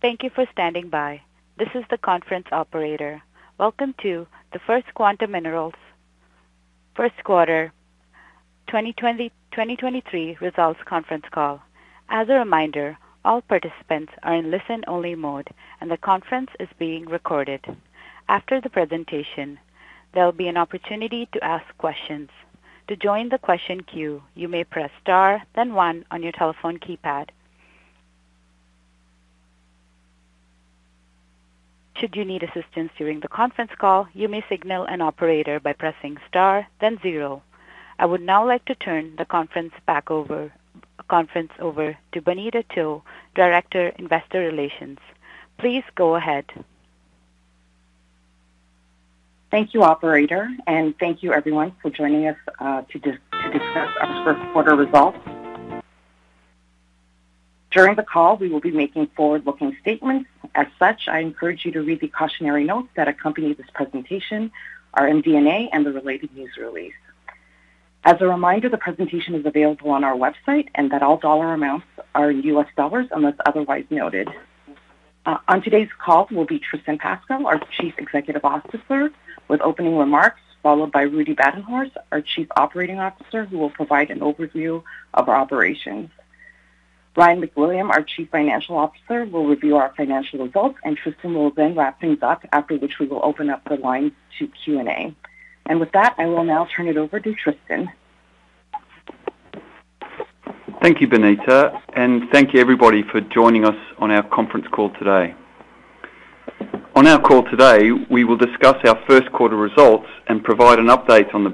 Thank you for standing by. This is the conference operator. Welcome to the First Quantum Minerals First Quarter 2023 results conference call. As a reminder, all participants are in listen-only mode, and the conference is being recorded. After the presentation, there will be an opportunity to ask questions. To join the question queue, you may press star, then one on your telephone keypad. Should you need assistance during the conference call, you may signal an operator by pressing star, then zero. I would now like to turn the conference over to Bonita To, Director, Investor Relations. Please go ahead. Thank you, operator, and thank you everyone for joining us to discuss our first quarter results. During the call, we will be making forward-looking statements. As such, I encourage you to read the cautionary notes that accompany this presentation, our MD&A, and the related news release. As a reminder, the presentation is available on our website and that all dollar amounts are US dollars unless otherwise noted. On today's call will be Tristan Pascall, our Chief Executive Officer, with opening remarks, followed by Rudi Badenhorst, our Chief Operating Officer, who will provide an overview of our operations. Ryan MacWilliam, our Chief Financial Officer, will review our financial results, and Tristan will then wrap things up, after which we will open up the line to Q&A. With that, I will now turn it over to Tristan. Thank you, Bonita, and thank you everybody for joining us on our conference call today. On our call today, we will discuss our first quarter results and provide an update on the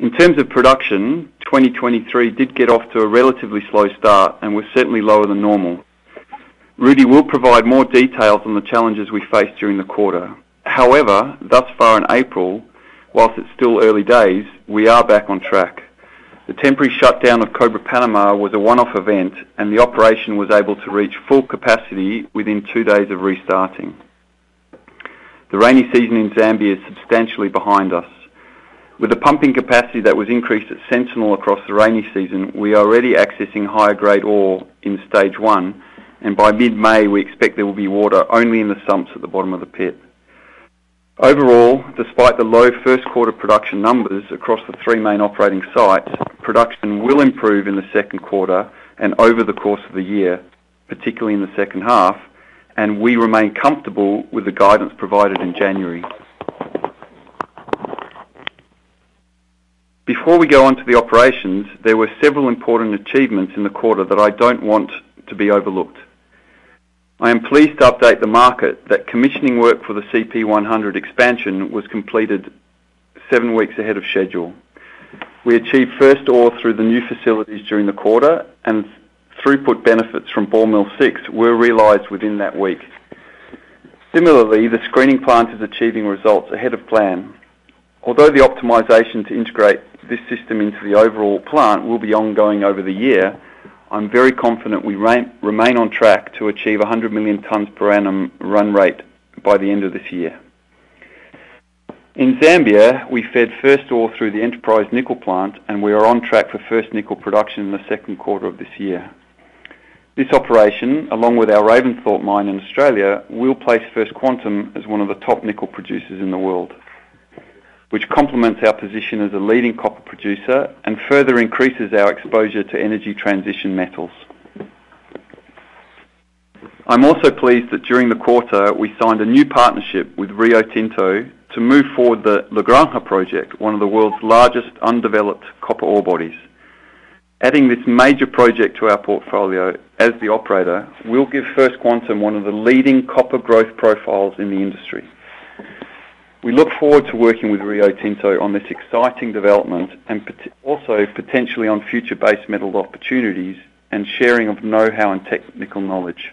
business. In terms of production, 2023 did get off to a relatively slow start and was certainly lower than normal. Rudi will provide more details on the challenges we faced during the quarter. However, thus far in April, whilst it's still early days, we are back on track. The temporary shutdown of Cobre Panamá was a one-off event, and the operation was able to reach full capacity within two days of restarting. The rainy season in Zambia is substantially behind us. With the pumping capacity that was increased at Sentinel across the rainy season, we are already accessing higher-grade ore in stage one. By mid-May, we expect there will be water only in the sumps at the bottom of the pit. Overall, despite the low first quarter production numbers across the three main operating sites, production will improve in the second quarter and over the course of the year, particularly in the second half and we remain comfortable with the guidance provided in January. Before we go on to the operations, there were several important achievements in the quarter that I don't want to be overlooked. I am pleased to update the market that commissioning work for the CP100 expansion was completed seven weeks ahead of schedule. We achieved first ore through the new facilities during the quarter, and throughput benefits from Ball Mill 6 were realized within that week. Similarly, the screening plant is achieving results ahead of plan. Although the optimization to integrate this system into the overall plant will be ongoing over the year, I'm very confident we remain on track to achieve 100 million tons per annum run rate by the end of this year. In Zambia, we fed first ore through the Enterprise nickel plant, and we are on track for first nickel production in the second quarter of this year. This operation, along with our Ravensthorpe mine in Australia, will place First Quantum as one of the top nickel producers in the world, which complements our position as a leading copper producer and further increases our exposure to energy transition metals. I'm also pleased that during the quarter, we signed a new partnership with Rio Tinto to move forward the La Granja Project, one of the world's largest undeveloped copper ore bodies. Adding this major project to our portfolio as the operator will give First Quantum one of the leading copper growth profiles in the industry. We look forward to working with Rio Tinto on this exciting development and also potentially on future base metal opportunities and sharing of know-how and technical knowledge.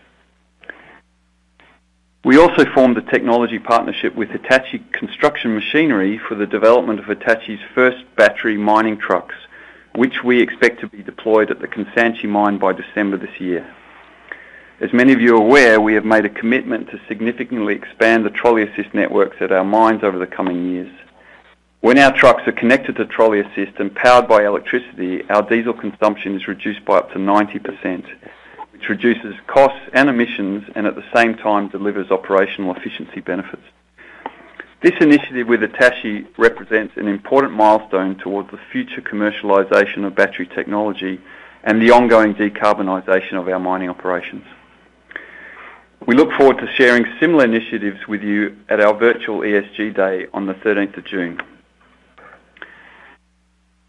We also formed a technology partnership with Hitachi Construction Machinery for the development of Hitachi's first battery mining trucks, which we expect to be deployed at the Kansanshi Mine by December this year. As many of you are aware, we have made a commitment to significantly expand the trolley assist networks at our mines over the coming years. When our trucks are connected to trolley assist and powered by electricity, our diesel consumption is reduced by up to 90%, which reduces costs and emissions and at the same time delivers operational efficiency benefits. This initiative with Hitachi represents an important milestone towards the future commercialization of battery technology and the ongoing decarbonization of our mining operations. We look forward to sharing similar initiatives with you at our virtual ESG Day on the 13th of June.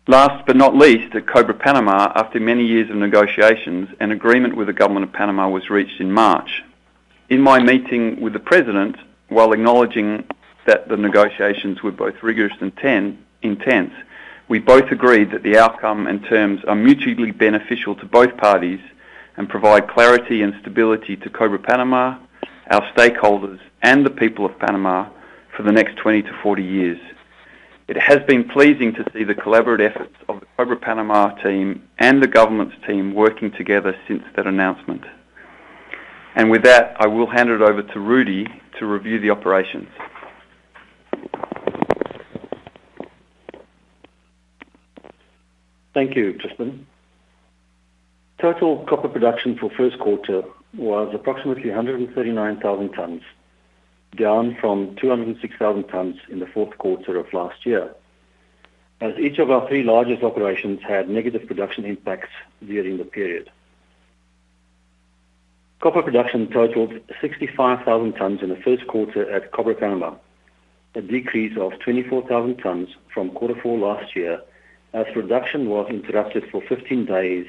Last but not least, at Cobre Panamá, after many years of negotiations, an agreement with the government of Panama was reached in March. In my meeting with the president, while acknowledging that the negotiations were both rigorous and intense, we both agreed that the outcome and terms are mutually beneficial to both parties and provide clarity and stability to Cobre Panamá, our stakeholders, and the people of Panama for the next 20-40 years. It has been pleasing to see the collaborative efforts of the Cobre Panamá team and the government's team working together since that announcement and with that, I will hand it over to Rudi to review the operations. Thank you, Tristan. Total copper production for first quarter was approximately 139,000 tons, down from 206,000 tons in the fourth quarter of last year, as each of our three largest operations had negative production impacts during the period. Copper production totaled 65,000 tons in the first quarter at Cobre Panamá, a decrease of 24,000 tons from quarter 4 last year, as production was interrupted for 15 days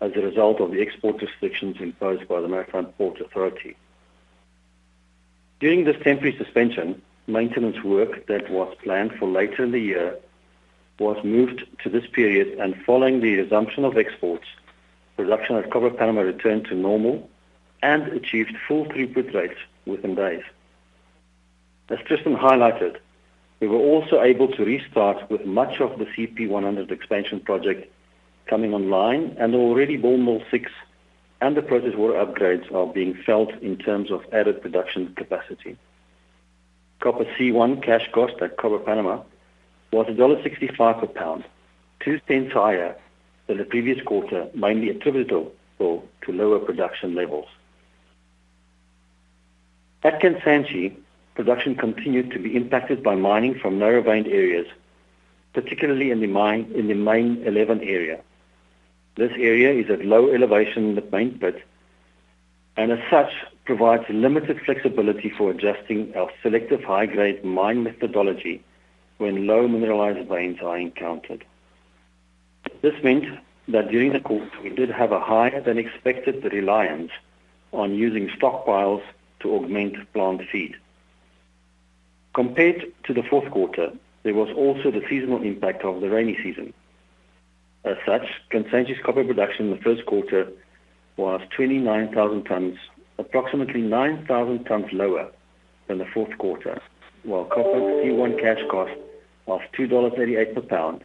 as a result of the export restrictions imposed by the Panama Maritime Authority. During this temporary suspension, maintenance work that was planned for later in the year was moved to this period and following the resumption of exports, production at Cobre Panamá returned to normal and achieved full throughput rates within days. As Tristan highlighted, we were also able to restart with much of the CP100 expansion project coming online and already Ball Mill 6 and the process water upgrades are being felt in terms of added production capacity. Copper C1 cash cost at Cobre Panamá was $1.65 per lbs, $0.02 higher than the previous quarter, mainly attributable to lower production levels. At Kansanshi, production continued to be impacted by mining from narrow veined areas, particularly in the mine 11 area. This area is at low elevation in the main pit and as such, provides limited flexibility for adjusting our selective high-grade mine methodology when low mineralized veins are encountered. This meant that during the quarter, we did have a higher than expected reliance on using stockpiles to augment plant feed. Compared to the fourth quarter, there was also the seasonal impact of the rainy season. As such, Kansanshi's copper production in the first quarter was 29,000 tons, approximately 9,000 tons lower than the fourth quarter, while copper C1 cash cost of $2.88 per lbs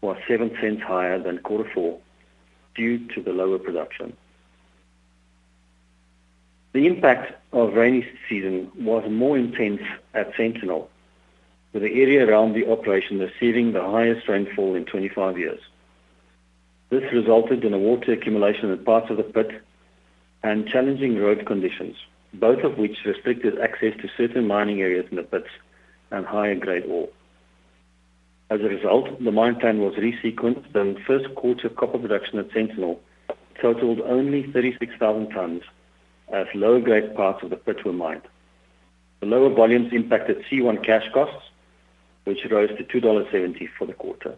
was $0.07 higher than quarter four due to the lower production. The impact of rainy season was more intense at Sentinel, with the area around the operation receiving the highest rainfall in 25 years. This resulted in a water accumulation in parts of the pit and challenging road conditions, both of which restricted access to certain mining areas in the pits and higher-grade ore. As a result the mine plan was re-sequenced in first quarter copper production at Sentinel totaled only 36,000 tons as lower grade parts of the pit were mined. The lower volumes impacted C1 cash costs, which rose to $2.70 for the quarter.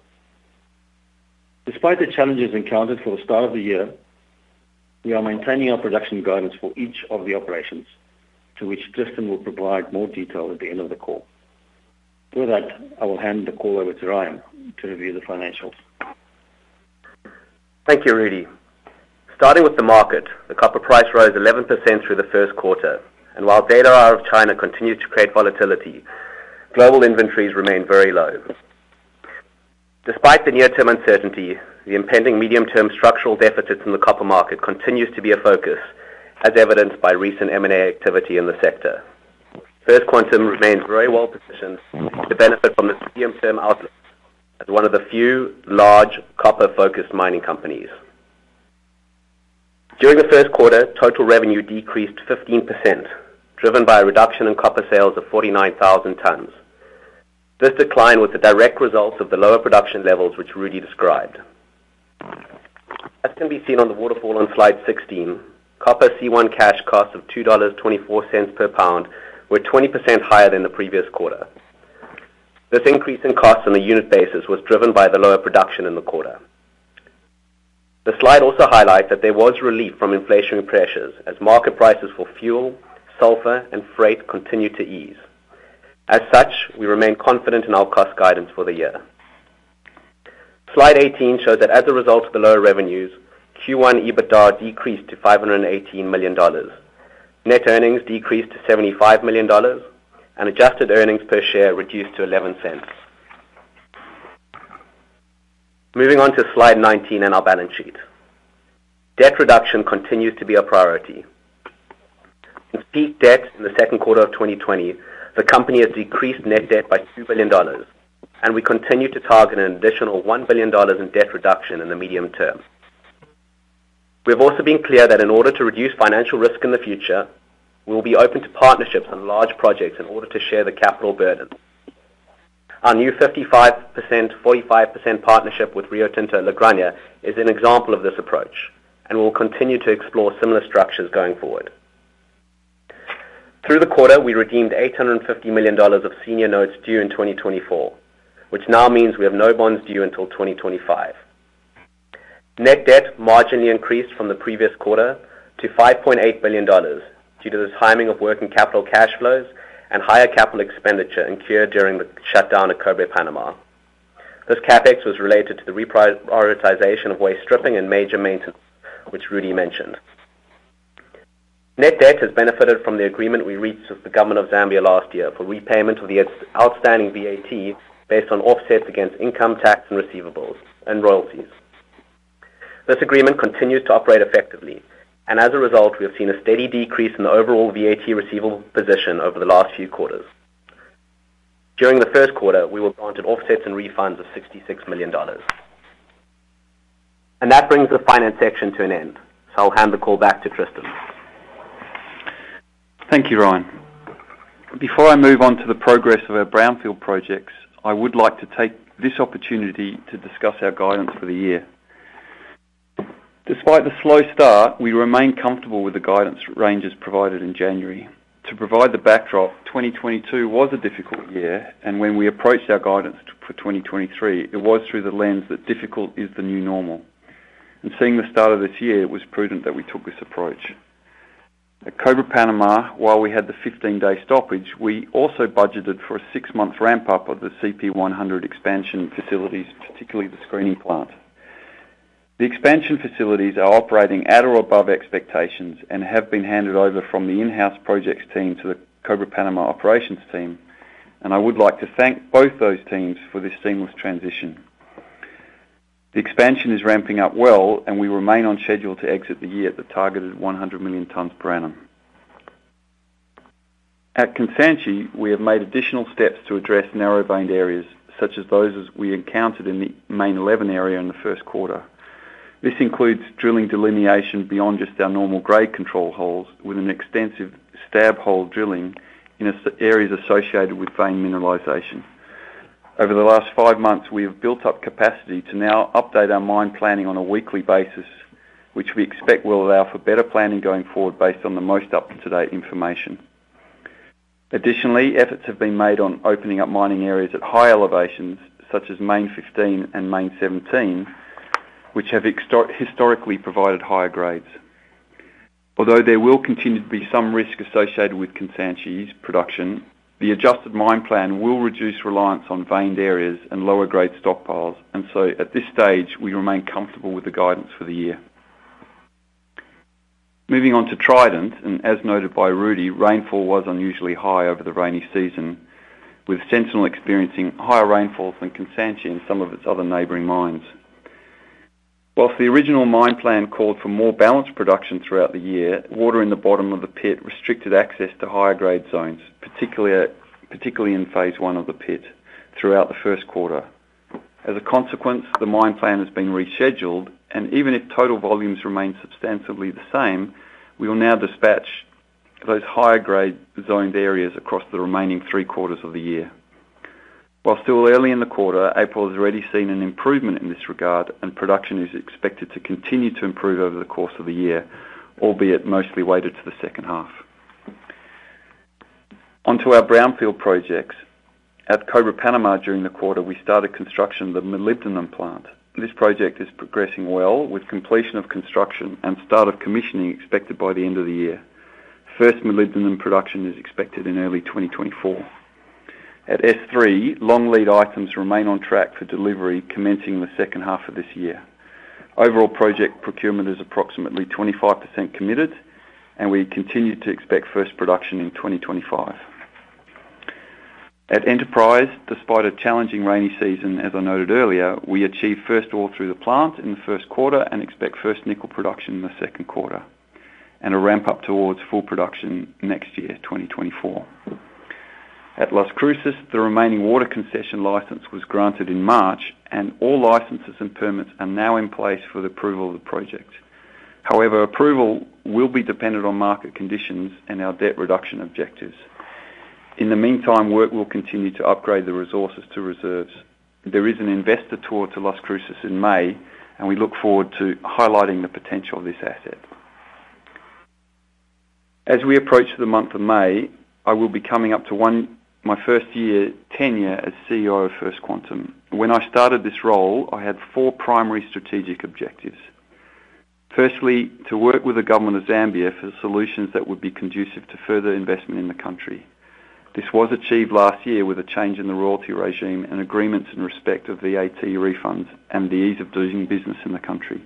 Despite the challenges encountered for the start of the year, we are maintaining our production guidance for each of the operations, to which Tristan will provide more detail at the end of the call. To that, I will hand the call over to Ryan to review the financials. Thank you, Rudi. Starting with the market, the copper price rose 11% through the first quarter, and while data out of China continued to create volatility, global inventories remain very low. Despite the near-term uncertainty, the impending medium-term structural deficits in the copper market continues to be a focus, as evidenced by recent M&A activity in the sector. First Quantum remains very well positioned to benefit from the medium-term outlook as one of the few large copper-focused mining companies. During the first quarter, total revenue decreased 15%, driven by a reduction in copper sales of 49,000 tons. This decline was the direct result of the lower production levels, which Rudi described. As can be seen on the waterfall on slide 16, copper C1 cash cost of $2.24 per lbs were 20% higher than the previous quarter. This increase in costs on a unit basis was driven by the lower production in the quarter. The slide also highlights that there was relief from inflationary pressures as market prices for fuel, sulfur, and freight continued to ease. As such, we remain confident in our cost guidance for the year. Slide 18 shows that as a result of the lower revenues, Q1 EBITDA decreased to $518 million. Net earnings decreased to $75 million, and adjusted earnings per share reduced to $0.11. Moving on to slide 19 and our balance sheet. Debt reduction continues to be a priority. In peak debt in the second quarter of 2020, the company has decreased net debt by $2 billion, and we continue to target an additional $1 billion in debt reduction in the medium term. We have also been clear that in order to reduce financial risk in the future, we will be open to partnerships on large projects in order to share the capital burden. Our new 55% 45% partnership with Rio Tinto La Granja is an example of this approach, and we'll continue to explore similar structures going forward. Through the quarter, we redeemed $850 million of senior notes due in 2024, which now means we have no bonds due until 2025. Net debt marginally increased from the previous quarter to $5.8 billion due to the timing of working capital cash flows and higher capital expenditure incurred during the shutdown at Cobre Panamá. This CapEx was related to the reprioritization of waste stripping and major maintenance, which Rudi mentioned. Net debt has benefited from the agreement we reached with the government of Zambia last year for repayment of the outstanding VAT based on offsets against income tax and receivables and royalties. This agreement continues to operate effectively, and as a result, we have seen a steady decrease in the overall VAT receivable position over the last few quarters. During the first quarter, we were granted offsets and refunds of $66 million. That brings the finance section to an end. I'll hand the call back to Tristan. Thank you, Ryan. Before I move on to the progress of our brownfield projects, I would like to take this opportunity to discuss our guidance for the year. Despite the slow start, we remain comfortable with the guidance ranges provided in January. To provide the backdrop, 2022 was a difficult year, when we approached our guidance for 2023, it was through the lens that difficult is the new normal. Seeing the start of this year, it was prudent that we took this approach. At Cobre Panamá, while we had the 15-day stoppage, we also budgeted for a 6-month ramp-up of the CP100 expansion facilities, particularly the screening plant. The expansion facilities are operating at or above expectations and have been handed over from the in-house projects team to the Cobre Panamá operations team, and I would like to thank both those teams for this seamless transition. The expansion is ramping up well, and we remain on schedule to exit the year at the targeted 100 million tons per annum. At Kansanshi, we have made additional steps to address narrow veined areas, such as those as we encountered in the mine 11 area in the first quarter. This includes drilling delineation beyond just our normal grade control holes with an extensive stub hole drilling in areas associated with vein mineralization. Over the last five months, we have built up capacity to now update our mine planning on a weekly basis, which we expect will allow for better planning going forward based on the most up-to-date information. Additionally, efforts to be made on opening up mining areas at high elevations, such as mine 15 and mine 17, which have historically provided higher grades. Although there will continue to be some risk associated with Kansanshi's production, the adjusted mine plan will reduce reliance on veined areas and lower grade stockpiles. At this stage, we remain comfortable with the guidance for the year. Moving on to Trident, as noted by Rudy, rainfall was unusually high over the rainy season, with Sentinel experiencing higher rainfall than Kansanshi and some of its other neighboring mines. Whilst the original mine plan called for more balanced production throughout the year, water in the bottom of the pit restricted access to higher grade zones, particularly in phase I of the pit throughout the first quarter. As a consequence, the mine plan has been rescheduled, and even if total volumes remain substantially the same, we will now dispatch those higher grade zoned areas across the remaining three quarters of the year. While still early in the quarter, April has already seen an improvement in this regard, and production is expected to continue to improve over the course of the year, albeit mostly weighted to the second half. On to our brownfield projects. At Cobre Panamá during the quarter, we started construction of the molybdenum plant. This project is progressing well, with completion of construction and start of commissioning expected by the end of the year. First molybdenum production is expected in early 2024. At S3, long lead items remain on track for delivery commencing the second half of this year. Overall project procurement is approximately 25% committed, and we continue to expect first production in 2025. At Enterprise, despite a challenging rainy season, as I noted earlier, we achieved first ore through the plant in the first quarter and expect first nickel production in the second quarter, and a ramp-up towards full production next year, 2024. At Las Cruces, the remaining water concession license was granted in March, and all licenses and permits are now in place for the approval of the project. However, approval will be dependent on market conditions and our debt reduction objectives. In the meantime, work will continue to upgrade the resources to reserves. There is an investor tour to Las Cruces in May, and we look forward to highlighting the potential of this asset. As we approach the month of May, I will be coming up to my first year tenure as CEO of First Quantum. When I started this role, I had four primary strategic objectives. Firstly, to work with the government of Zambia for solutions that would be conducive to further investment in the country. This was achieved last year with a change in the royalty regime and agreements in respect of VAT refunds and the ease of doing business in the country.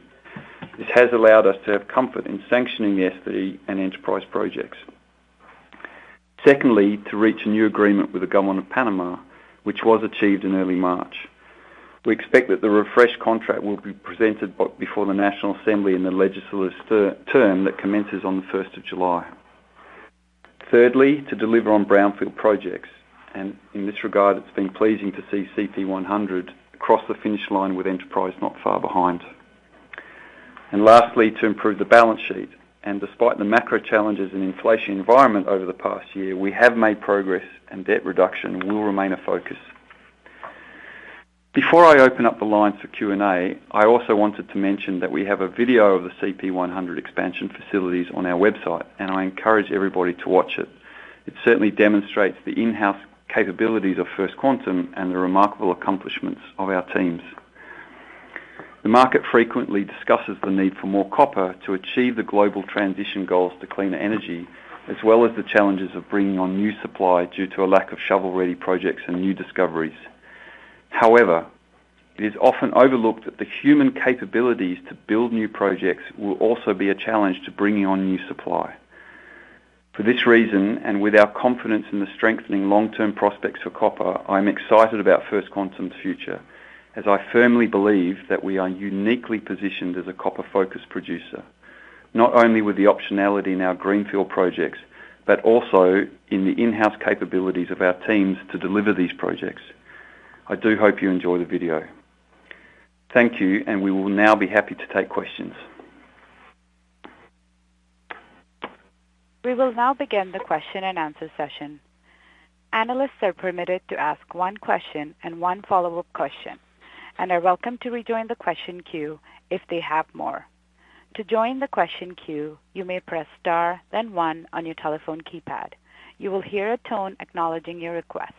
This has allowed us to have comfort in sanctioning the S3 and Enterprise projects. Secondly, to reach a new agreement with the government of Panama, which was achieved in early March. We expect that the refreshed contract will be presented before the National Assembly in the legislative term that commences on the first of July. Thirdly, to deliver on brownfield projects. In this regard, it's been pleasing to see CP100 cross the finish line with Enterprise not far behind. Lastly, to improve the balance sheet. Despite the macro challenges and inflation environment over the past year, we have made progress and debt reduction will remain a focus. Before I open up the line for Q&A, I also wanted to mention that we have a video of the CP100 expansion facilities on our website and I encourage everybody to watch it. It certainly demonstrates the in-house capabilities of First Quantum and the remarkable accomplishments of our teams. The market frequently discusses the need for more copper to achieve the global transition goals to cleaner energy, as well as the challenges of bringing on new supply due to a lack of shovel-ready projects and new discoveries. However, it is often overlooked that the human capabilities to build new projects will also be a challenge to bringing on new supply. For this reason, and with our confidence in the strengthening long-term prospects for copper, I'm excited about First Quantum's future, as I firmly believe that we are uniquely positioned as a copper-focused producer. Not only with the optionality in our greenfield projects, but also in the in-house capabilities of our teams to deliver these projects. I do hope you enjoy the video. Thank you and we will now be happy to take questions. We will now begin the question-and-answer session. Analysts are permitted to ask one question and one follow-up question, and are welcome to rejoin the question queue if they have more. To join the question queue, you may press star then one on your telephone keypad. You will hear a tone acknowledging your request.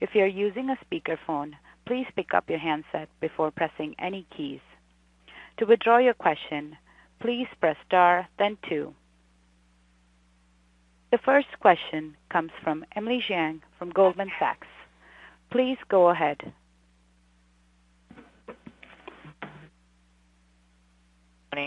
If you are using a speakerphone, please pick up your handset before pressing any keys. To withdraw your question, please press star then two. The first question comes from Emily Chieng from Goldman Sachs. Please go ahead. Good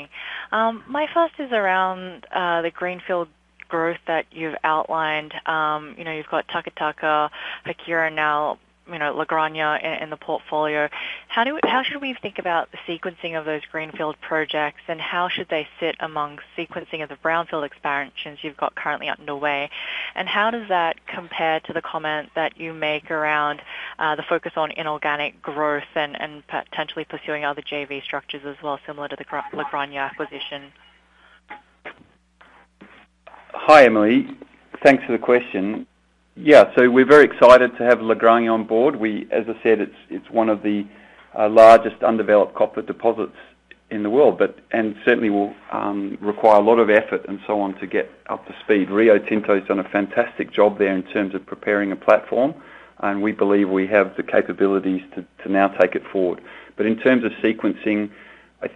morning. My first is around the greenfield growth that you've outlined. You know, you've got Taca Taca, Haquira now, you know, La Granja in the portfolio. How should we think about the sequencing of those greenfield projects, and how should they sit among sequencing of the brownfield expansions you've got currently out in the way? How does that compare to the comment that you make around the focus on inorganic growth and potentially pursuing other JV structures as well, similar to the current La Granja acquisition? Hi, Emily. Thanks for the question. Yeah. We're very excited to have La Granja on board. We, as I said, it's one of the largest undeveloped copper deposits in the world, but, and certainly will require a lot of effort and so on to get up to speed. Rio Tinto's done a fantastic job there in terms of preparing a platform, and we believe we have the capabilities to now take it forward. In terms of sequencing,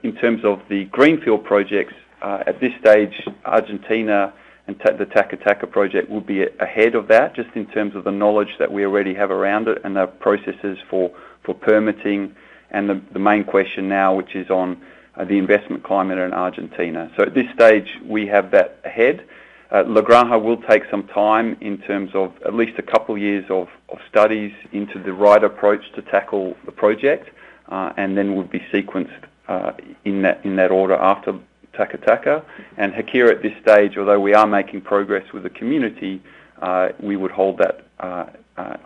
in terms of the greenfield projects, at this stage, Argentina and the Taca Taca project will be ahead of that, just in terms of the knowledge that we already have around it and the processes for permitting. The main question now, which is on the investment climate in Argentina. So, at this stage, we have that ahead. La Granja will take some time in terms of at least a couple years of studies into the right approach to tackle the project, and then would be sequenced in that order after Taca Taca and Haquira at this stage, although we are making progress with the community, we would hold that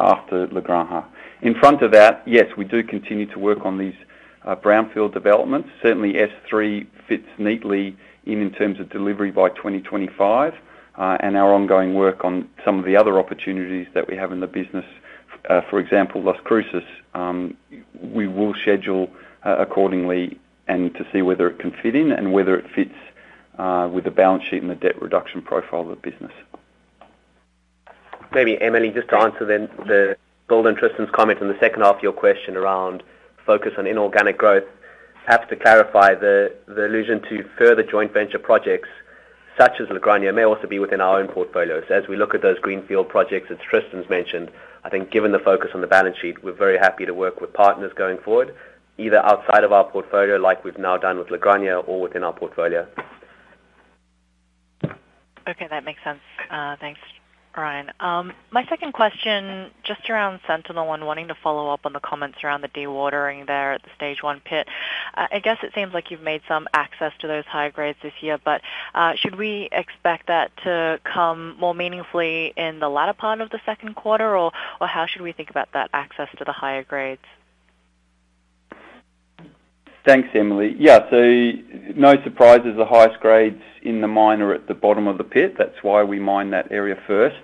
after La Granja. In front of that, yes, we do continue to work on these brownfield developments. Certainly, S3 fits neatly in terms of delivery by 2025, and our ongoing work on some of the other opportunities that we have in the business. For example, Las Cruces, we will schedule accordingly and to see whether it can fit in and whether it fits with the balance sheet and the debt reduction profile of the business. Maybe Emily, just to answer then the build on Tristan's comment on the second half of your question around focus on inorganic growth, have to clarify the allusion to further joint venture projects such as La Granja may also be within our own portfolios. As we look at those greenfield projects, as Tristan's mentioned, I think given the focus on the balance sheet, we're very happy to work with partners going forward, either outside of our portfolio like we've now done with La Granja or within our portfolio. Okay, that makes sense. Thanks, Ryan. My second question just around Sentinel, I'm wanting to follow up on the comments around the dewatering there at the stage one pit. I guess it seems like you've made some access to those higher grades this year, but, should we expect that to come more meaningfully in the latter part of the second quarter? Or how should we think about that access to the higher grades? Thanks, Emily. Yeah. No surprises, the highest grades in the mine are at the bottom of the pit. That's why we mine that area first.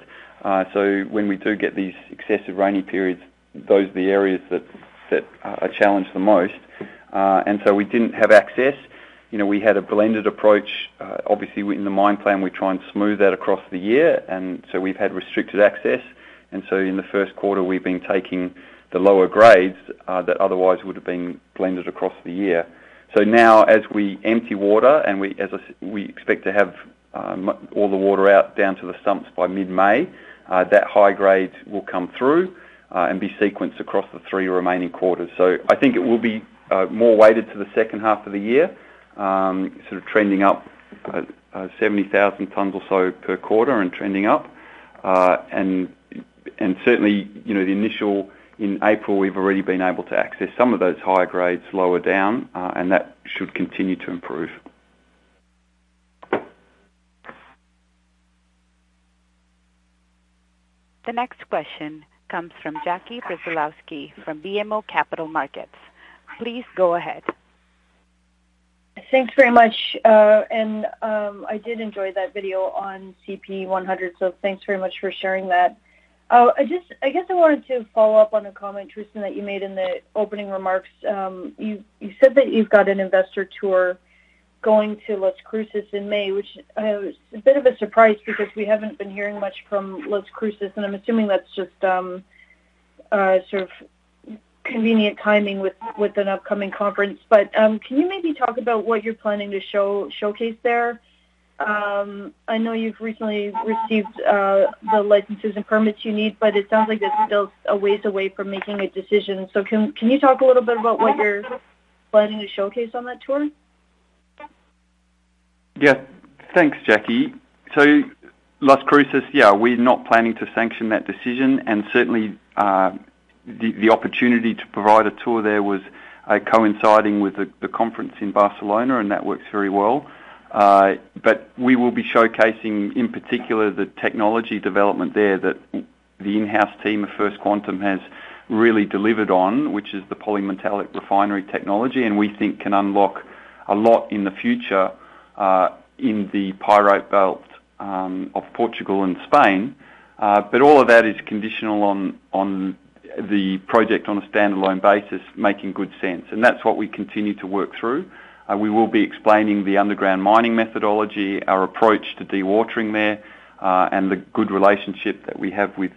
When we do get these excessive rainy periods, those are the areas that are challenged the most and, so, we didn't have access. You know, we had a blended approach. Obviously, within the mine plan, we try and smooth that across the year. We've had restricted access. In the first quarter, we've been taking the lower grades that otherwise would have been blended across the year. Now as we empty water and we, as we expect to have all the water out down to the sumps by mid-May, that high grade will come through and be sequenced across the three remaining quarters. I think it will be more weighted to the second half of the year, sort of trending up, 70,000 tons or so per quarter and trending up and certainly, you know, the initial in April, we've already been able to access some of those higher grades lower down, and that should continue to improve. The next question comes from Jackie Przybylowski from BMO Capital Markets. Please go ahead. Thanks very much and I did enjoy that video on CP100, thanks very much for sharing that. I guess I wanted to follow up on a comment, Tristan, that you made in the opening remarks. You said that you've got an investor tour going to Las Cruces in May, which is a bit of a surprise because we haven't been hearing much from Las Cruces, and I'm assuming that's just sort of convenient timing with an upcoming conference. Can you maybe talk about what you're planning to showcase there? I know you've recently received the licenses and permits you need, but it sounds like it's still a ways away from making a decision. Can you talk a little bit about what you're planning to showcase on that tour? Yeah. Thanks, Jackie. Las Cruces, we're not planning to sanction that decision, and certainly, the opportunity to provide a tour there was coinciding with the conference in Barcelona, and that works very well. We will be showcasing, in particular, the technology development there that the in-house team of First Quantum has really delivered on, which is the polymetallic refinery technology, and we think can unlock a lot in the future, in the Pyrite Belt of Portugal and Spain. All of that is conditional on the project on a standalone basis, making good sense. That's what we continue to work through. We will be explaining the underground mining methodology, our approach to dewatering there, and the good relationship that we have with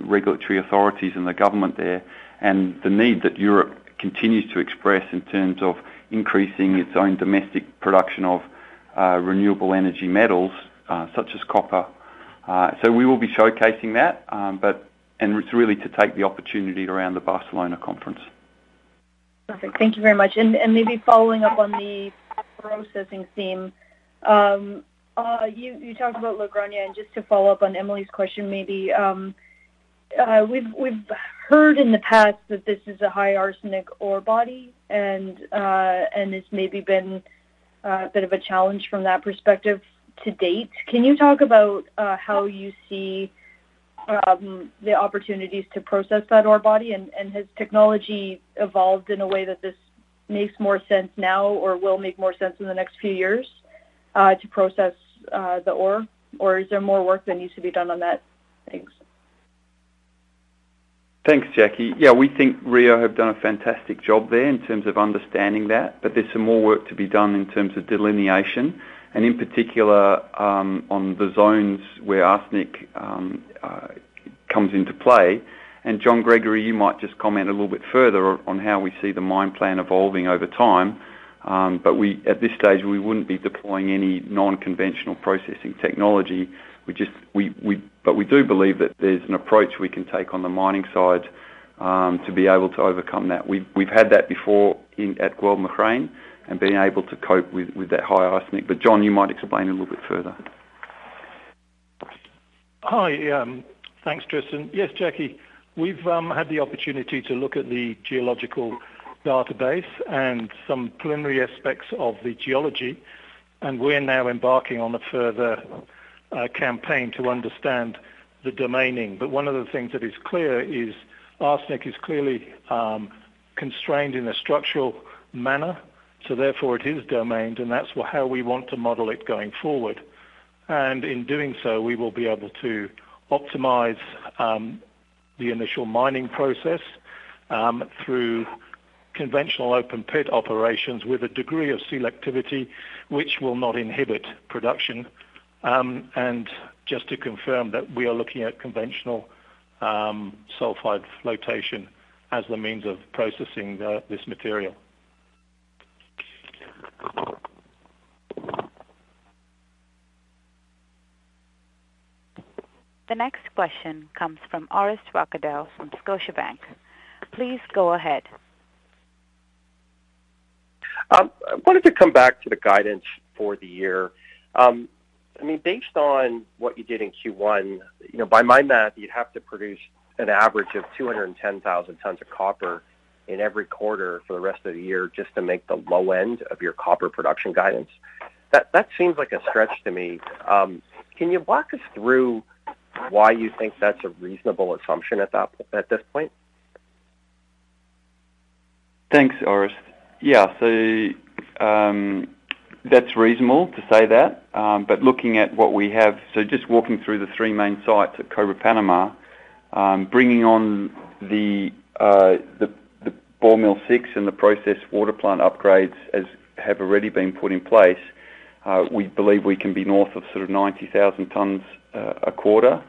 regulatory authorities and the government there, and the need that Europe continues to express in terms of increasing its own domestic production of renewable energy metals, such as copper. We will be showcasing that. It's really to take the opportunity around the Barcelona conference. Perfect. Thank you very much and maybe following up on the processing theme. You talked about La Granja, and just to follow up on Emily's question, maybe. We've heard in the past that this is a high arsenic ore body and it's maybe been a bit of a challenge from that perspective to date. Can you talk about how you see the opportunities to process that ore body? Has technology evolved in a way that this makes more sense now or will make more sense in the next few years to process the ore? Or is there more work that needs to be done on that? Thanks. Thanks, Jackie. Yeah, we think Rio have done a fantastic job there in terms of understanding that. There's some more work to be done in terms of delineation, and in particular, on the zones where arsenic comes into play. John Gregory, you might just comment a little bit further on how we see the mine plan evolving over time. At this stage, we wouldn't be deploying any non-conventional processing technology. We do believe that there's an approach we can take on the mining side, to be able to overcome that. We've had that before at Guelb Moghrein and been able to cope with that high arsenic. John, you might explain a little bit further. Hi. thanks, Tristan. Yes, Jackie, we've had the opportunity to look at the geological database and some preliminary aspects of the geology, and we're now embarking on a further campaign to understand the domaining. One of the things that is clear is arsenic is clearly constrained in a structural manner, so therefore it is domained, and that's how we want to model it going forward and in doing so, we will be able to optimize the initial mining process through conventional open pit operations with a degree of selectivity, which will not inhibit production. Just to confirm that we are looking at conventional sulfide flotation as the means of processing the, this material. The next question comes from Orest Wowkodaw from Scotiabank. Please go ahead. I wanted to come back to the guidance for the year. I mean, based on what you did in Q1, you know, by my math, you'd have to produce an average of 210,000 tons of copper in every quarter for the rest of the year just to make the low end of your copper production guidance. That seems like a stretch to me. Can you walk us through why you think that's a reasonable assumption at this point? Thanks, Orest. Yeah. So, that's reasonable to say that. Looking at what we have. Just walking through the three main sites at Cobre Panamá, bringing on the Ball Mill 6 and the process water plant upgrades, as have already been put in place, we believe we can be north of sort of 90,000 tons a quarter.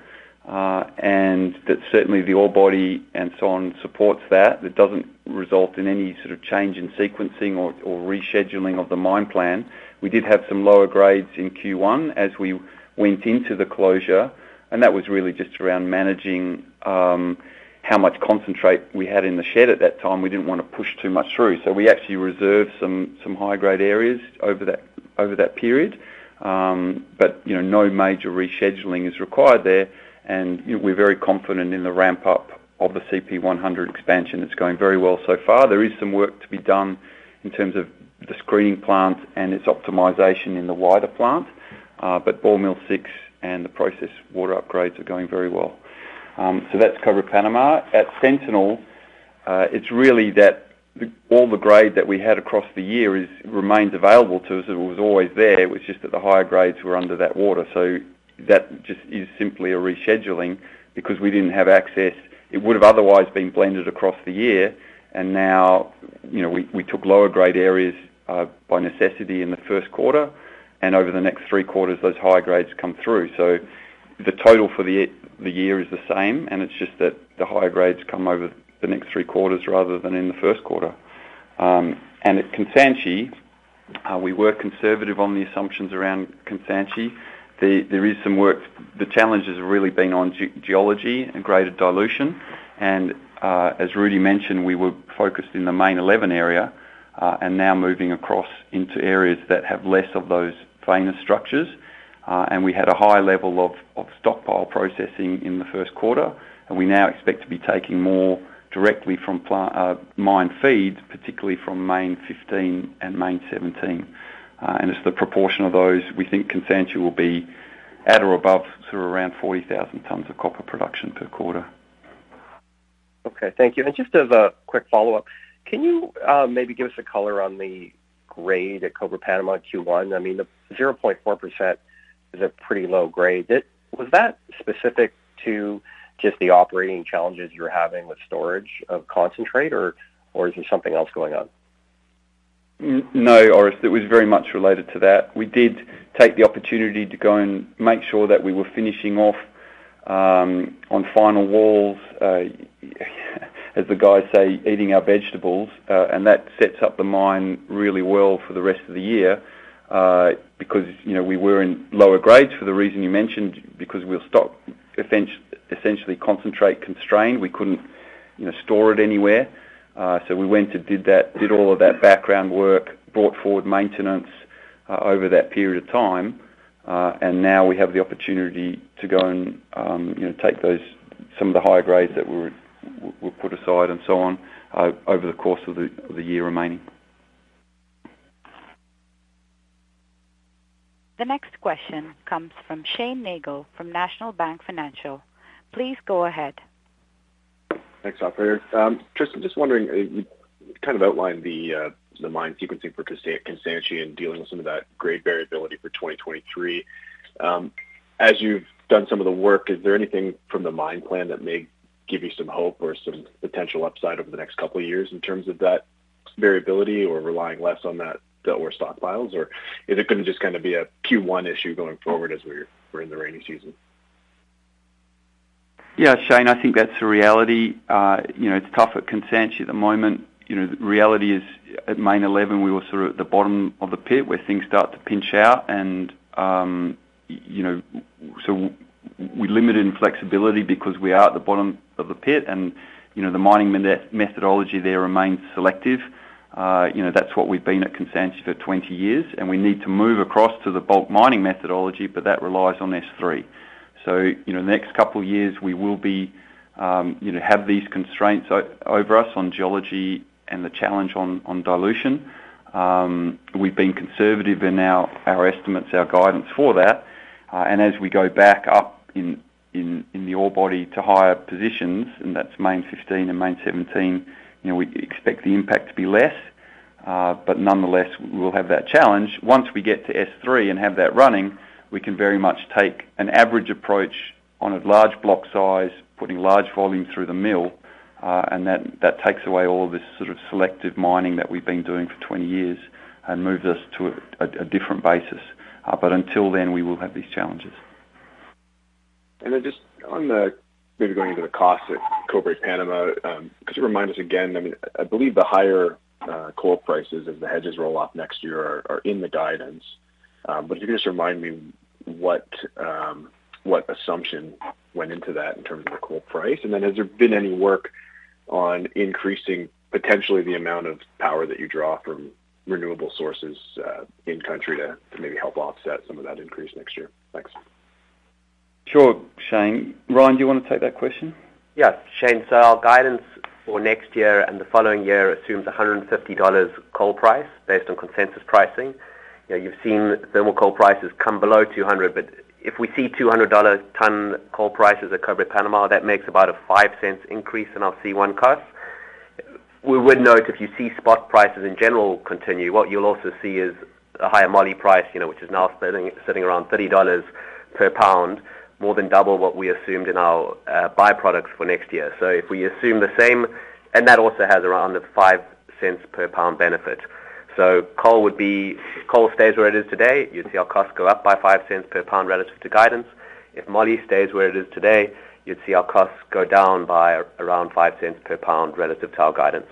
That certainly the ore body and so on supports that. It doesn't result in any sort of change in sequencing or rescheduling of the mine plan. We did have some lower grades in Q1 as we went into the closure, that was really just around managing how much concentrate we had in the shed at that time. We didn't wanna push too much through. We actually reserved some high-grade areas over that period. But. you know, no major rescheduling is required there, and we're very confident in the ramp-up of the CP100 expansion. It's going very well so far. There is some work to be done in terms of the screening plant and its optimization in the wider plant, but Ball Mill 6 and the process water upgrades are going very well. That's Cobre Panamá. At Sentinel, it's really that all the grade that we had across the year is, remains available to us. It was always there. It was just that the higher grades were under that water. That just is simply a rescheduling because we didn't have access. It would've otherwise been blended across the year. Now, you know, we took lower grade areas by necessity in the first quarter, and over the next three quarters, those higher grades come through. The total for the year is the same, and it's just that the higher grades come over the next three quarters rather than in the first quarter. At Kansanshi, we were conservative on the assumptions around Kansanshi. There is some work. The challenge has really been on geology and greater dilution and as Rudi mentioned, we were focused in the mine 11 area, and now moving across into areas that have less of those famous structures. We had a high level of stockpile processing in the first quarter. We now expect to be taking more directly from mine feeds, particularly from mine 15 and mine 17. As the proportion of those, we think Kansanshi will be at or above sort of around 40,000 tons of copper production per quarter. Okay, thank you. Just as a quick follow-up, can you maybe give us a color on the grade at Cobre Panamá in Q1? I mean, the 0.4% is a pretty low grade. Was that specific to just the operating challenges you're having with storage of concentrate or is there something else going on? No, Orest, it was very much related to that. We did take the opportunity to go and make sure that we were finishing off on final walls, as the guys say, eating our vegetables. and That sets up the mine really well for the rest of the year, because, you know, we were in lower grades for the reason you mentioned, because we're essentially concentrate constrained. We couldn't, you know, store it anywhere. So we went and did that, did all of that background work, brought forward maintenance over that period of time and now we have the opportunity to go and, you know, take those, some of the higher grades that were put aside and so on, over the course of the year remaining. The next question comes from Shane Nagle from National Bank Financial. Please go ahead. Thanks, operator. Tristan, just wondering, you kind of outlined the mine sequencing for Kansanshi and dealing with some of that grade variability for 2023. As you've done some of the work, is there anything from the mine plan that may give you some hope or some potential upside over the next couple of years in terms of that variability or relying less on that Delaware stockpiles? Or is it gonna just kinda be a Q1 issue going forward as we're in the rainy season? Yeah, Shane, I think that's the reality. You know, it's tough at Kansanshi at the moment. You know, the reality is, at mine 11, we were sort of at the bottom of the pit where things start to pinch out. You know, we're limited in flexibility because we are at the bottom of the pit and, you know, the mining methodology there remains selective. You know, that's what we've been at Kansanshi for 20 years, and, we need to move across to the bulk mining methodology, but that relies on S3. You know, the next couple of years, we will be, you know, have these constraints over us on geology and the challenge on dilution. We've been conservative in our estimates, our guidance for that. As we go back up in the ore body to higher positions, that's mine 15 and mine 17, you know, we expect the impact to be less but nonetheless, we'll have that challenge. Once we get to S3 and have that running, we can very much take an average approach on a large block size, putting large volume through the mill. That takes away all this sort of selective mining that we've been doing for 20 years and moves us to a different basis but until then, we will have these challenges. Just on the, maybe going into the cost at Cobre Panamá, could you remind us again? I mean, I believe the higher coal prices as the hedges roll off next year are in the guidance. Can you just remind me what assumption went into that in terms of the coal price? Has there been any work on increasing potentially the amount of power that you draw from renewable sources in country to maybe help offset some of that increase next year? Thanks. Sure, Shane. Ryan, do you wanna take that question? Yes. Shane, our guidance for next year and the following year assumes a $150 coal price based on consensus pricing. You know, you've seen thermal coal prices come below $200. If we see $200 ton coal prices at Cobre Panamá, that makes about a $0.05 increase in our C1 cost. We would note if you see spot prices in general continue, what you'll also see is a higher moly price, you know, which is now sitting around $30 per lbs, more than double what we assumed in our byproducts for next year. If we assume the same, and that also has around a $0.05 per lbs benefit. Coal would be, if coal stays where it is today, you'd see our costs go up by $0.05 per lbs relative to guidance. If moly stays where it is today, you'd see our costs go down by around $0.05 per pound relative to our guidance.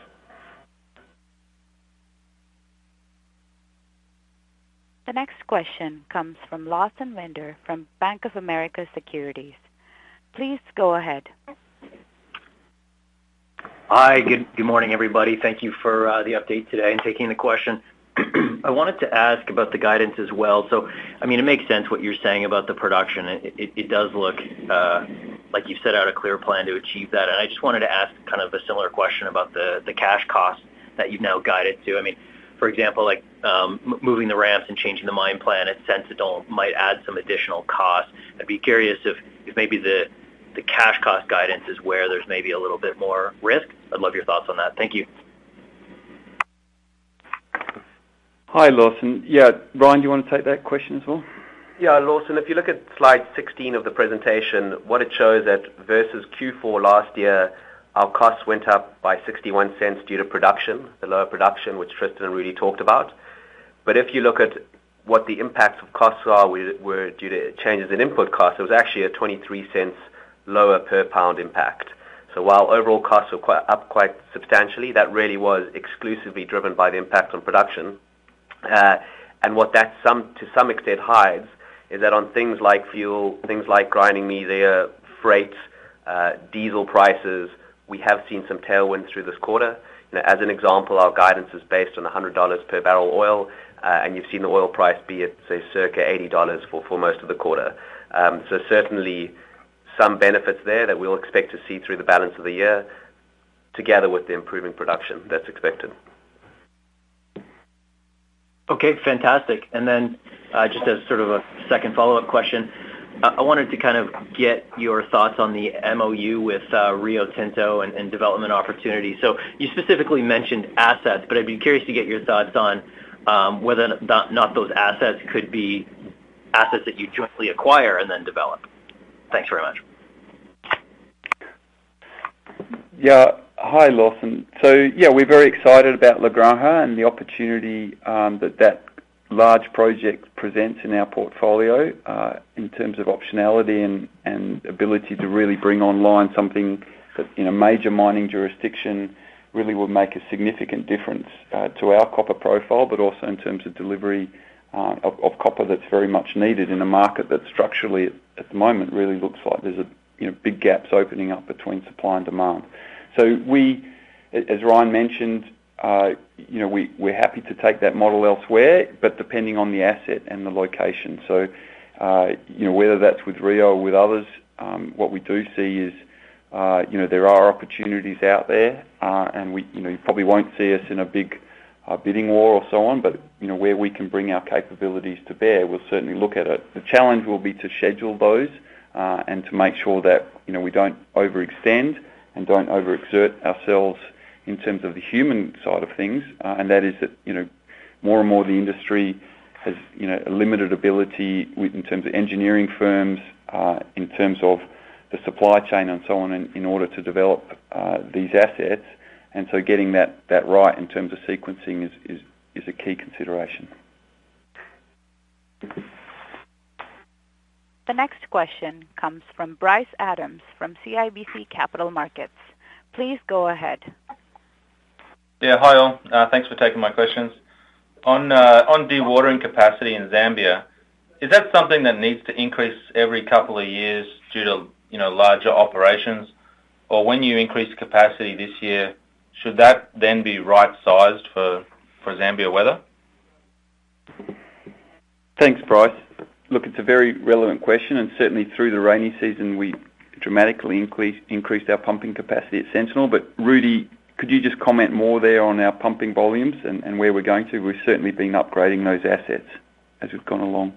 The next question comes from Lawson Winder from Bank of America Securities. Please go ahead. Hi, good morning, everybody. Thank you for the update today and taking the question. I wanted to ask about the guidance as well. I mean, it makes sense what you're saying about the production. It does look like you've set out a clear plan to achieve that. I just wanted to ask kind of a similar question about the cash costs that you've now guided to. I mean, for example, like, moving the ramps and changing the mine plan, it's sensible, it might add some additional costs. I'd be curious if maybe the cash cost guidance is where there's maybe a little bit more risk. I'd love your thoughts on that. Thank you. Hi, Lawson. Yeah. Ryan, do you wanna take that question as well? Yeah, Lawson, if you look at slide 16 of the presentation, what it shows that versus Q4 last year, our costs went up by $0.61 due to production, the lower production, which Tristan and Rudy talked about but If you look at what the impacts of costs are, we were due to changes in input costs, it was actually a $0.23 lower per lbs impact. So, While overall costs were up quite substantially, that really was exclusively driven by the impact on production. What that some, to some extent hides is that on things like fuel, things like grinding media, freight, diesel prices, we have seen some tailwind through this quarter. As an example, our guidance is based on $100 per barrel oil, and you've seen the oil price be at, say, circa $80 for most of the quarter. Certainly some benefits there that we all expect to see through the balance of the year together with the improving production that's expected. Okay, fantastic. Just as sort of a second follow-up question. I wanted to kind of get your thoughts on the MOU with Rio Tinto and development opportunities. You specifically mentioned assets, but I'd be curious to get your thoughts on whether or not those assets could be assets that you jointly acquire and then develop. Thanks very much. Hi, Lawson. Yeah, we're very excited about La Granja and the opportunity that that large project presents in our portfolio, in terms of optionality and ability to really bring online something that in a major mining jurisdiction really will make a significant difference, to our copper profile, but also in terms of delivery of copper that's very much needed in a market that structurally at the moment really looks like there's a, you know, big gaps opening up between supply and demand. We, as Ryan mentioned, you know, we're happy to take that model elsewhere, but depending on the asset and the location. You know, whether that's with Rio or with others, what we do see is, you know, there are opportunities out there, and we, you know, you probably won't see us in a big bidding war or so on. You know, where we can bring our capabilities to bear, we'll certainly look at it. The challenge will be to schedule those, and to make sure that, you know, we don't overextend and don't overexert ourselves in terms of the human side of things, and that is that, you know, more and more the industry has, you know, a limited ability in terms of engineering firms, in terms of the supply chain and so on in order to develop these assets. and, so, getting that right in terms of sequencing is a key consideration. The next question comes from Bryce Adams from CIBC Capital Markets. Please go ahead. Hi all. Thanks for taking my questions. On dewatering capacity in Zambia, is that something that needs to increase every couple of years due to, you know, larger operations? When you increase capacity this year, should that then be right-sized for Zambia weather? Thanks, Bryce. Look, it's a very relevant question, and certainly through the rainy season, we dramatically increased our pumping capacity at Sentinel but Rudi, could you just comment more there on our pumping volumes and where we're going to? We've certainly been upgrading those assets as we've gone along.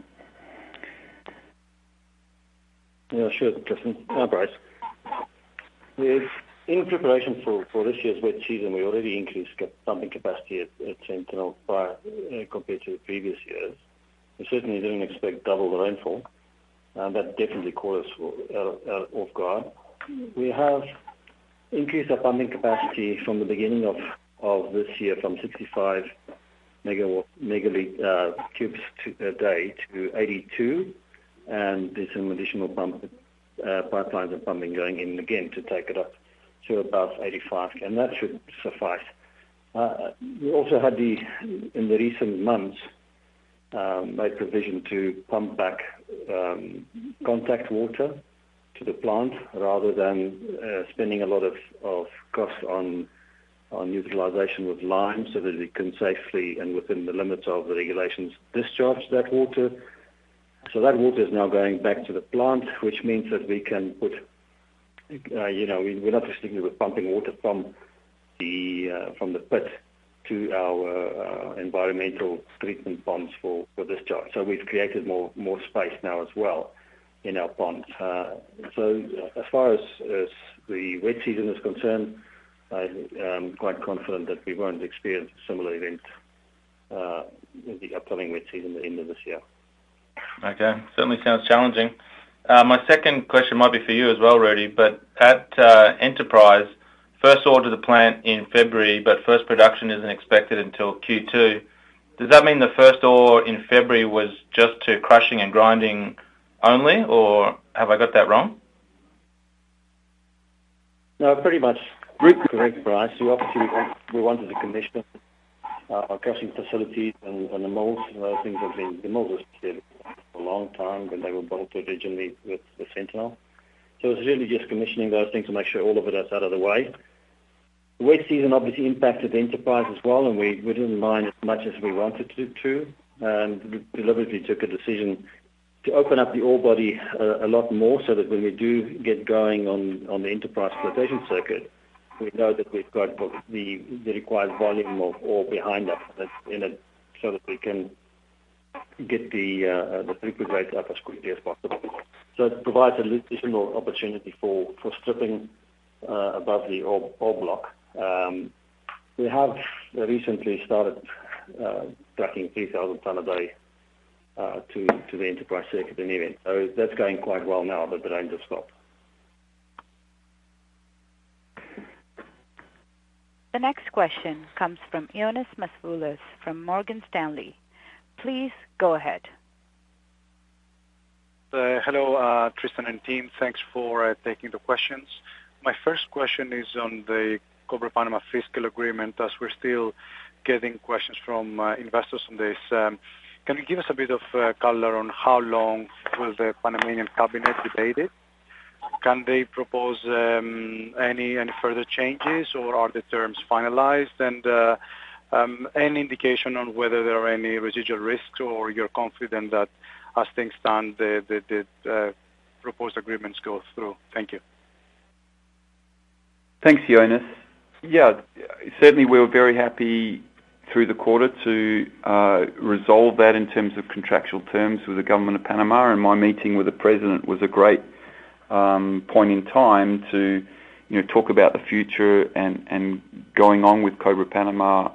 Sure, Justin. Hi, Bryce. With any preparation for this year's wet season, we already increased the pumping capacity at Sentinel compared to the previous years. We certainly didn't expect double the rainfall, that definitely caught us off guard. We have increased our pumping capacity from the beginning of this year from 65 MW, cubes to the date to 82, and there's some additional pump pipelines and pumping going in again to take it up to above 85. That should suffice. We also had in the recent months made provision to pump back contact water to the plant rather than spending a lot of costs on utilization with lime so that we can safely and within the limits of the regulations, discharge that water. That water is now going back to the plant, which means that we can put, you know, we're not just sticking with pumping water from the from the pit to our environmental treatment pumps for discharge. We've created more space now as well in our pumps. As far as the wet season is concerned, I am quite confident that we won't experience a similar event in the upcoming wet season at the end of this year. Okay. Certainly sounds challenging. My second question might be for you as well, Rudi. At Enterprise, first ore to the plant in February, but first production isn't expected until Q2. Does that mean the first ore in February was just to crushing and grinding only, or have I got that wrong? No, pretty much. We're correct, Bryce. We obviously, we wanted to commission our crushing facilities and the mills and other things have been the mills for a long time, but they were built originally with Sentinel. So it's really just commissioning those things to make sure all of it is out of the way. The wet season obviously impacted Enterprise as well, and we didn't mine as much as we wanted to. We deliberately took a decision to open up the ore body a lot more so that when we do get going on the Enterprise flotation circuit, we know that we've got the required volume of ore behind us that's in it so that we can get the throughput rates up as quickly as possible. It provides an additional opportunity for stripping above the ore block. We have recently started trucking 3,000 ton a day to the Enterprise circuit in any event. That's going quite well now that the rains have stopped. The next question comes from Ioannis Masvoulas from Morgan Stanley. Please go ahead. Hello, Tristan and team. Thanks for taking the questions. My first question is on the Cobre Panamá fiscal agreement, as we're still getting questions from investors on this. Can you give us a bit of color on how long will the Panamanian cabinet debate it? Can they propose any further changes, or are the terms finalized? Any indication on whether there are any residual risks, or you're confident that as things stand the proposed agreements goes through? Thank you. Thanks, Ioannis. Yeah. Certainly, we were very happy through the quarter to resolve that in terms of contractual terms with the government of Panama. My meeting with the president was a great point in time to, you know, talk about the future and going on with Cobre Panamá,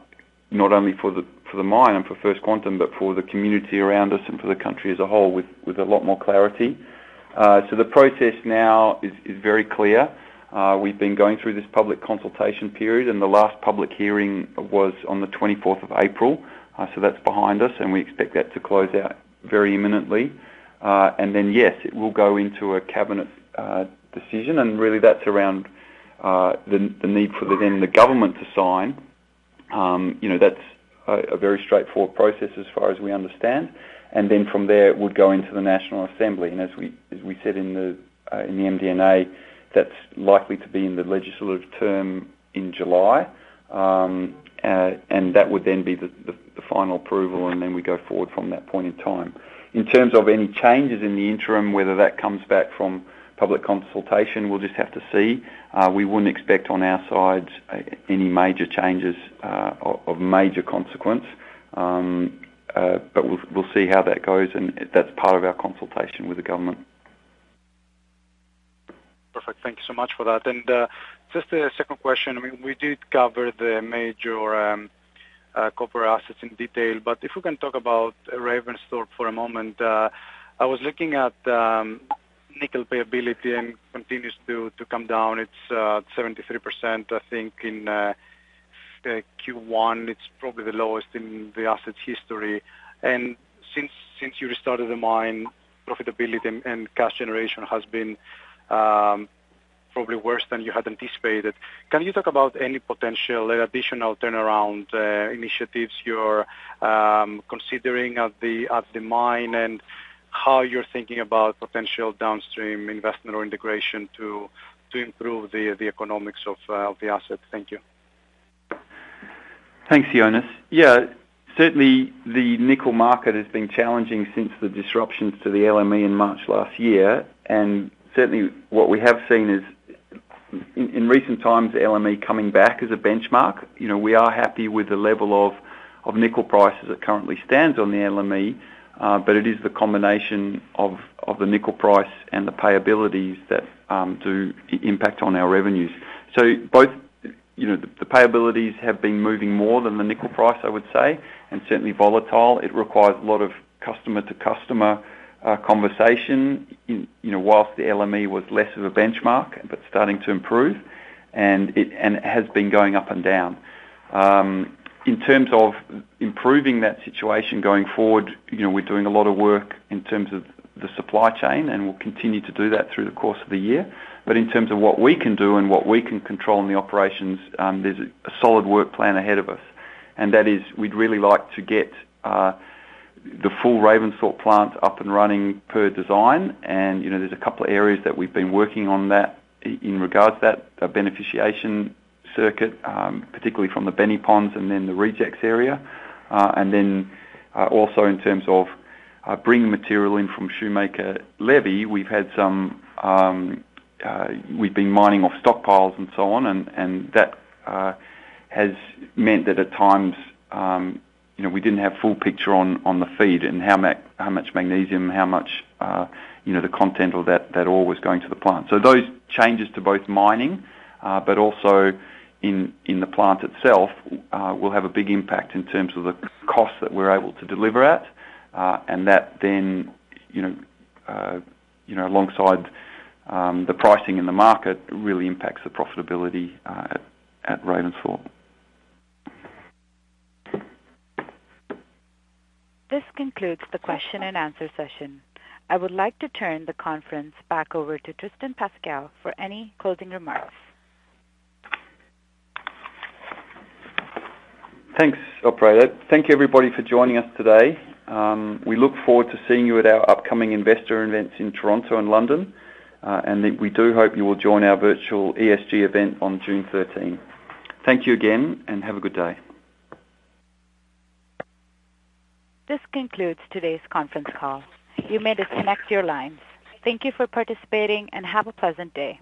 not only for the mine and for First Quantum, but for the community around us and for the country as a whole with a lot more clarity. The process now is very clear. We've been going through this public consultation period. The last public hearing was on the 24th of April. That's behind us, and we expect that to close out very imminently. Yes, it will go into a cabinet decision, and really that's around the need for the then the government to sign. You know, that's a very straightforward process as far as we understand. From there, it would go into the National Assembly. As we said in the MD&A, that's likely to be in the legislative term in July. That would then be the final approval, we go forward from that point in time. In terms of any changes in the interim, whether that comes back from public consultation, we'll just have to see. We wouldn't expect on our side any major changes of major consequence. We'll see how that goes, and that's part of our consultation with the government. Perfect. Thank you so much for that. Just a second question. I mean, we did cover the major Cobre assets in detail, but if we can talk about Ravensthorpe for a moment. I was looking at nickel payability, and it continues to come down. It's 73%, I think, in Q1. It's probably the lowest in the asset's history. Since you restarted the mine, profitability and cash generation has been probably worse than you had anticipated. Can you talk about any potential additional turnaround initiatives you're considering at the mine and how you're thinking about potential downstream investment or integration to improve the economics of the assets? Thank you. Thanks, Ioannis. Yeah. Certainly, the nickel market has been challenging since the disruptions to the LME in March last year. Certainly what we have seen is in recent times, the LME coming back as a benchmark. You know, we are happy with the level of nickel prices that currently stands on the LME. It is the combination of the nickel price and the payabilities that do impact on our revenues. Both, you know, the payabilities have been moving more than the nickel price, I would say, and certainly volatile. It requires a lot of customer to customer conversation, you know, whilst the LME was less of a benchmark but starting to improve, and it has been going up and down. In terms of improving that situation going forward, you know, we're doing a lot of work in terms of the supply chain, and we'll continue to do that through the course of the year. In terms of what we can do and what we can control in the operations, there's a solid work plan ahead of us and that is, we'd really like to get the full Ravensthorpe plant up and running per design. You know, there's a couple of areas that we've been working on that in regards to that, the beneficiation circuit, particularly from the beneficiation ponds and then the rejects area. Also in terms of bringing material in from Shoemaker-Levy, we've had some, we've been mining off stockpiles and so on, and that has meant that at times, you know, we didn't have full picture on the feed and how much magnesium, how much, you know, the content or that ore was going to the plant. Those changes to both mining, but also in the plant itself, will have a big impact in terms of the cost that we're able to deliver at. That then, you know, alongside the pricing in the market, really impacts the profitability at Ravensthorpe. This concludes the question and answer session. I would like to turn the conference back over to Tristan Pascall for any closing remarks. Thanks, operator. Thank you everybody for joining us today. We look forward to seeing you at our upcoming investor events in Toronto and London. We do hope you will join our virtual ESG event on June 13th. Thank you again and have a good day. This concludes today's conference call. You may disconnect your lines. Thank you for participating, and have a pleasant day.